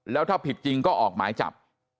แล้วถ้าผิดจริงก็ออกหมายจับ